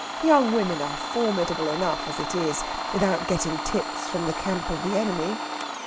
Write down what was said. Young women are formidable enough, as it is, without getting tips from the camp of the enemy.